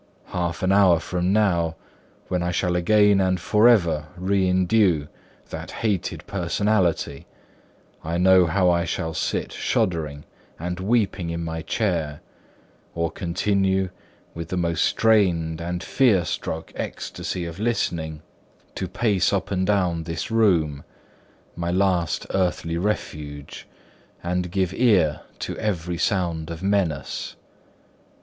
Half an hour from now, when I shall again and forever reindue that hated personality, I know how I shall sit shuddering and weeping in my chair, or continue, with the most strained and fearstruck ecstasy of listening, to pace up and down this room (my last earthly refuge) and give ear to every sound of menace.